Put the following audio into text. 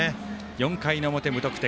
４回の表、無得点。